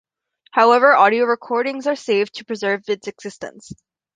However, audio recordings are saved to preserve its existence.